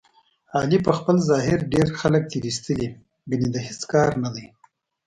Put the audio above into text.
علي په خپل ظاهر ډېر خلک تېر ایستلي، ګني د هېڅ کار نه دی.